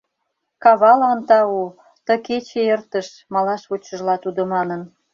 «Кавалан тау, ты кече эртыш», малаш вочшыжла тудо манын.